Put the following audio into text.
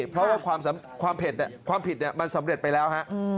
เพราะว่าความผิดมันสำเร็จไปแล้ว